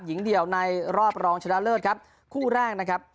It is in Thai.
หญิงเดียวในรอบรองชนะเลิศครับคู่แรกนะครับ